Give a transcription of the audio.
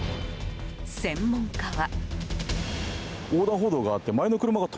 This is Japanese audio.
専門家は。